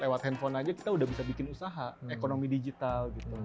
lewat handphone aja kita udah bisa bikin usaha ekonomi digital gitu